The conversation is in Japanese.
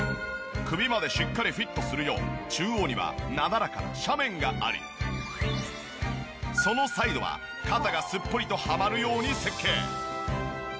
首までしっかりフィットするよう中央にはなだらかな斜面がありそのサイドは肩がすっぽりとはまるように設計。